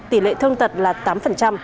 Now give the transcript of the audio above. tỷ lệ thương tật là tám